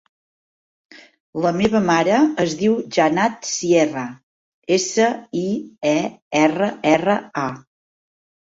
La meva mare es diu Jannat Sierra: essa, i, e, erra, erra, a.